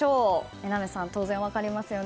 榎並さん、当然分かりますよね。